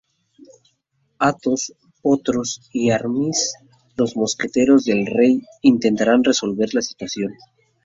Athos, Porthos y Aramis, los mosqueteros del rey, intentarán resolver la situación.